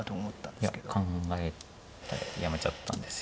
いや考えてやめちゃったんですよ。